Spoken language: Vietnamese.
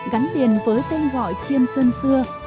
gắn liền với tên gọi chiêm sơn xưa